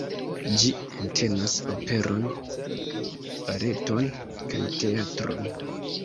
Ĝi entenas operon, baleton kaj teatron.